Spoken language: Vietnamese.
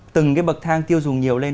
từng cái bậc thang tiêu dùng nhiều lên